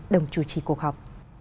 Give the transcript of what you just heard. đồng chủ trì cuộc họp